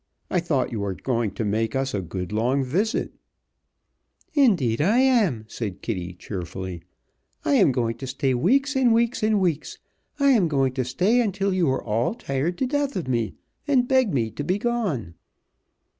I thought you were going to make us a good, long visit " "Indeed I am," said Kitty, cheerfully. "I am going to stay weeks, and weeks, and weeks. I am going to stay until you are all tired to death of me, and beg me to begone."